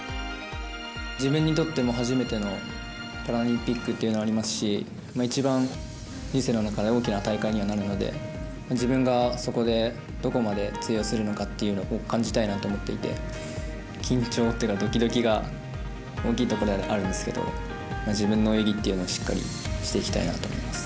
自分にとっても初めてのパラリンピックというのがありますし一番、人生の中で大きな大会になるので自分がそこでどこまで通用するのかっていうのを感じたいなと思っていて緊張というかどきどきが大きいところではあるんですけど自分の泳ぎっていうのをしっかりしていきたいと思います。